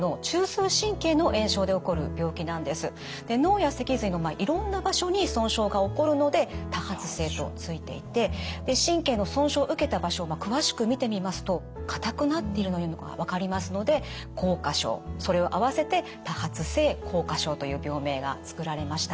脳や脊髄のいろんな場所に損傷が起こるので「多発性」と付いていて神経の損傷を受けた場所を詳しく見てみますと硬くなっているというのが分かりますので硬化症それを合わせて多発性硬化症という病名が作られました。